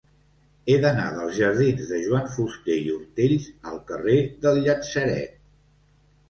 He d'anar dels jardins de Joan Fuster i Ortells al carrer del Llatzeret.